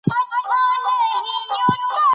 په روسيې کې یې د دښمنۍ په نوم مامورین تېر ایستل.